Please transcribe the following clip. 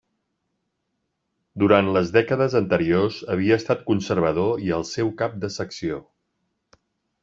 Durant les dècades anteriors havia estat conservador i el seu cap de secció.